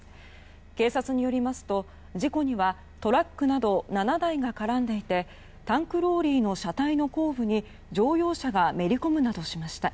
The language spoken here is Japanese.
警察によりますと事故にはトラックなど７台が絡んでいてタンクローリーの車体の後部に乗用車がめり込むなどしました。